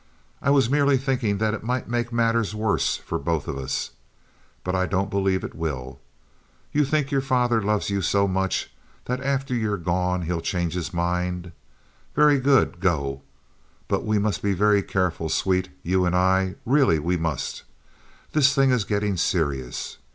I was merely thinking that it might make matters worse for both of us; but I don't believe it will. You think your father loves you so much that after you're gone he'll change his mind. Very good; go. But we must be very careful, sweet—you and I—really we must. This thing is getting serious.